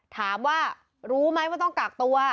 ถามว่ารู้ไหมว่าต้องกักตัว